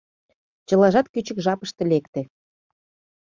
Чылажат кӱчык жапыште лекте: